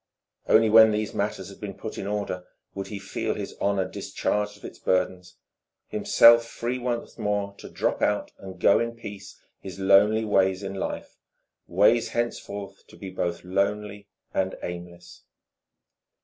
Only when these matters had been put in order would he feel his honour discharged of its burdens, himself free once more to drop out and go in peace his lonely ways in life, ways henceforth to be both lonely and aimless.